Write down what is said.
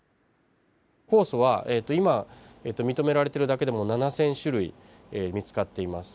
酵素は今認められているだけでも７，０００種類見つかっています。